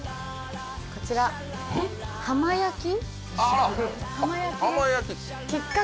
こちらああ浜焼き？